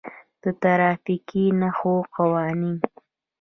د ترافیکي نښو قوانین: